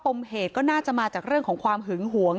มเหตุก็น่าจะมาจากเรื่องของความหึงหวง